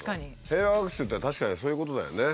平和学習って確かにそういうことだよね。